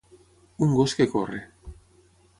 Un gos que corre.